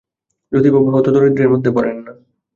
জ্যোতিবাবু হতদরিদ্রের মধ্যে পড়েন না।